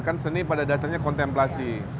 kan seni pada dasarnya kontemplasi